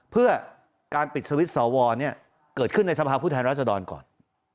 เพื่อการปิดสวิทช์สวรนี้เกิดขึ้นในสมาธภ์ภูแทนราชดรก่อน